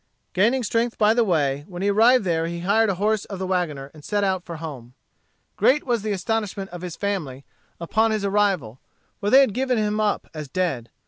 Gaining strength by the way, when he arrived there he hired a horse of the wagoner, and set out for home. Great was the astonishment of his family upon his arrival, for they had given him up as dead.